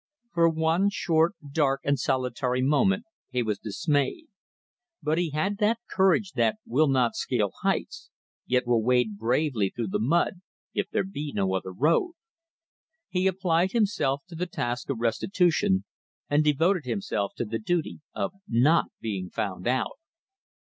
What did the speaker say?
For one short, dark and solitary moment he was dismayed, but he had that courage that will not scale heights, yet will wade bravely through the mud if there be no other road. He applied himself to the task of restitution, and devoted himself to the duty of not being found out.